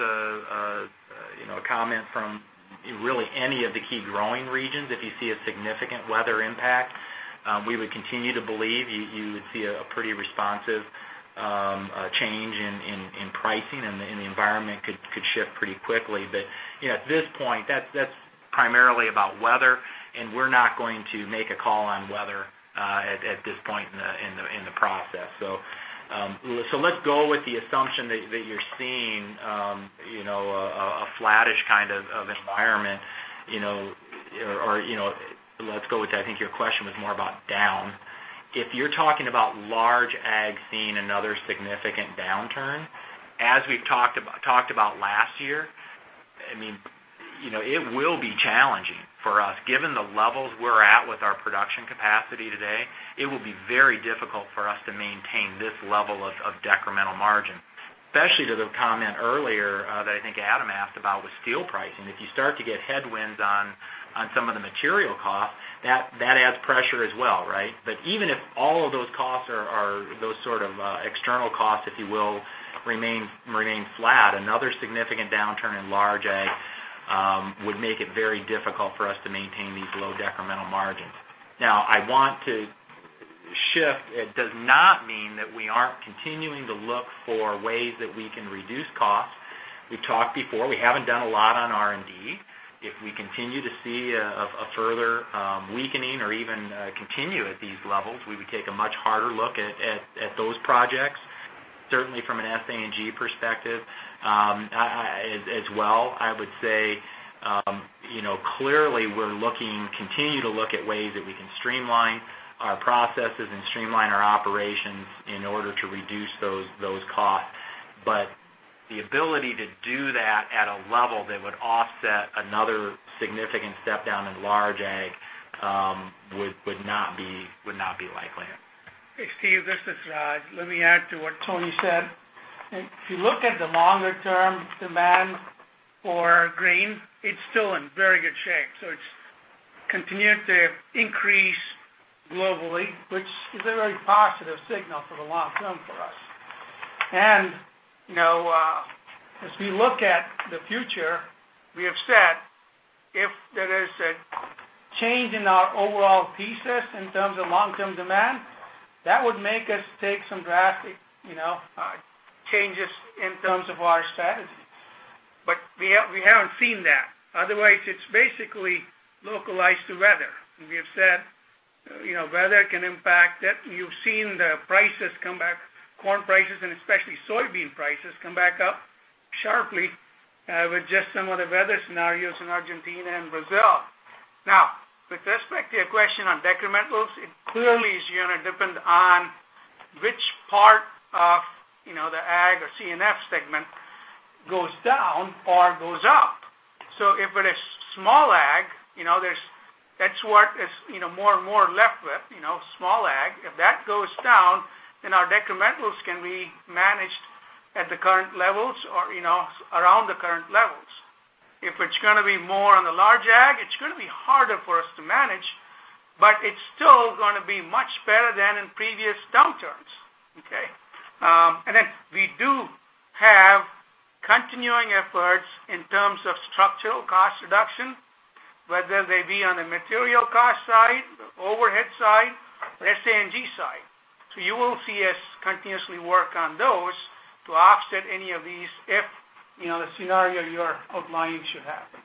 a comment from really any of the key growing regions. If you see a significant weather impact, we would continue to believe you would see a pretty responsive change in pricing, and the environment could shift pretty quickly. At this point, that's primarily about weather, and we're not going to make a call on weather at this point in the process. Let's go with the assumption that you're seeing a flattish kind of environment, or let's go with, I think your question was more about down. If you're talking about large ag seeing another significant downturn, as we've talked about last year, it will be challenging for us. Given the levels we're at with our production capacity today, it will be very difficult for us to maintain this level of decremental margin. Especially to the comment earlier that I think Adam asked about with steel pricing. If you start to get headwinds on some of the material costs, that adds pressure as well, right? Even if all of those sort of external costs, if you will, remain flat, another significant downturn in large ag would make it very difficult for us to maintain these low decremental margins. Now, I want to shift. It does not mean that we aren't continuing to look for ways that we can reduce costs. We've talked before, we haven't done a lot on R&D. If we continue to see a further weakening or even continue at these levels, we would take a much harder look at those projects. Certainly from an S, A, and G perspective as well, I would say, clearly we continue to look at ways that we can streamline our processes and streamline our operations in order to reduce those costs. The ability to do that at a level that would offset another significant step down in large ag would not be likely. Hey, Steve, this is Raj. Let me add to what Tony said. If you look at the longer-term demand for grain, it's still in very good shape. It's continued to increase globally, which is a very positive signal for the long term for us. As we look at the future, we have said if there is a change in our overall thesis in terms of long-term demand, that would make us take some drastic changes in terms of our strategy. We haven't seen that. Otherwise, it's basically localized to weather. We have said weather can impact it. You've seen the prices come back, corn prices, and especially soybean prices, come back up sharply with just some of the weather scenarios in Argentina and Brazil. With respect to your question on decrementals, it clearly is going to depend on which part of the ag or C&F segment goes down or goes up. If it is small ag, that's what is more and more left with, small ag. If that goes down, then our decrementals can be managed at the current levels or around the current levels. If it's going to be more on the large ag, it's going to be harder for us to manage, but it's still going to be much better than in previous downturns. Okay? We do have continuing efforts in terms of structural cost reduction, whether they be on the material cost side, the overhead side, the SG&A side. You will see us continuously work on those to offset any of these if the scenario you're outlining should happen.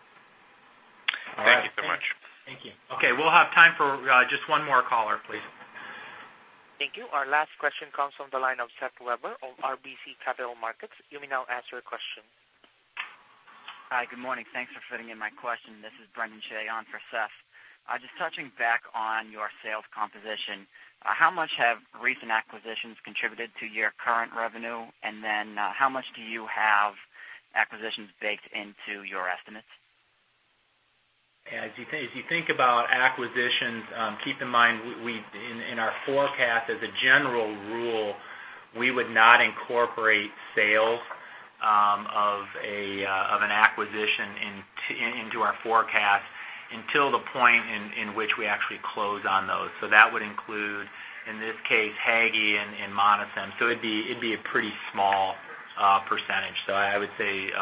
Thank you very much. Thank you. Okay. We'll have time for just one more caller, please. Thank you. Our last question comes from the line of Seth Weber of RBC Capital Markets. You may now ask your question. Hi, good morning. Thanks for fitting in my question. This is Brendan Shea on for Seth. Just touching back on your sales composition, how much have recent acquisitions contributed to your current revenue? How much do you have acquisitions baked into your estimates? As you think about acquisitions, keep in mind in our forecast as a general rule, we would not incorporate sales of an acquisition into our forecast until the point in which we actually close on those. That would include, in this case, Hagie and Monosem. It'd be a pretty small percentage. I would say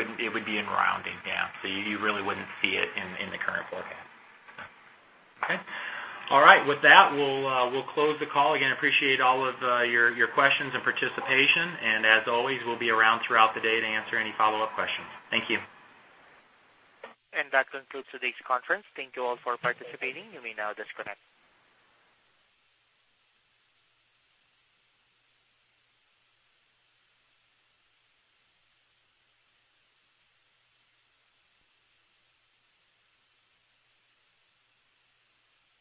it would be in rounding down. You really wouldn't see it in the current forecast. Okay. All right. With that, we'll close the call. Again, appreciate all of your questions and participation, and as always, we'll be around throughout the day to answer any follow-up questions. Thank you. That concludes today's conference. Thank you all for participating. You may now disconnect.